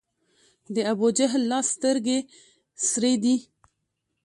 د ابوجهل لا سترګي سرې دي